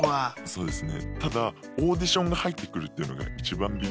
そうですね。